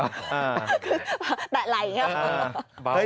อ่าแต่ไหลอย่างนี้